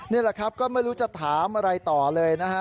นี่แหละครับก็ไม่รู้จะถามอะไรต่อเลยนะฮะ